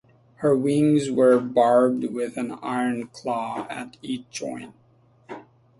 Her wings were barbed with an iron claw at each joint.